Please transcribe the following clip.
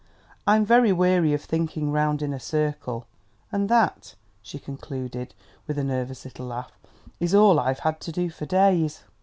"I'm very weary of thinking round in a circle and that," she concluded, with a nervous little laugh, "is all I've had to do for days!"